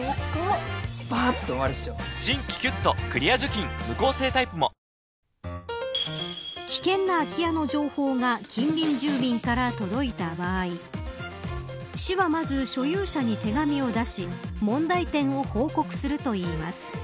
近隣を悩ませる問題で危険な空き家の情報が近隣住民から届いた場合市は、まず所有者に手紙を出し問題点を報告するといいます。